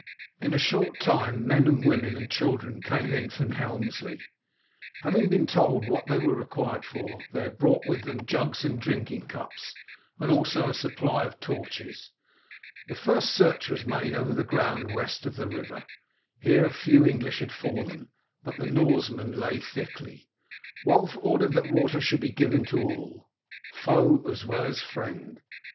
In a short time men, women, and children came in from Helmsley. Having been told what they were required for, they had brought with them jugs and drinking cups, and also a supply of torches. The first search was made over the ground west of the river. Here few English had fallen, but the Norsemen lay thickly. Wulf ordered that water should be given to all, foe as well as friend.